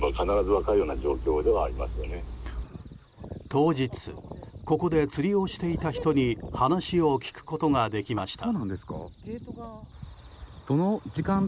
当日、ここで釣りをしていた人に話を聞くことができました。